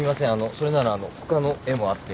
それならあの他の絵もあって。